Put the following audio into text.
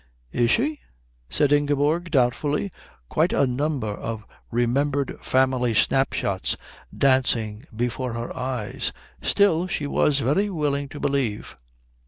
"Is she?" said Ingeborg doubtfully, quite a number of remembered family snapshots dancing before her eyes. Still, she was very willing to believe.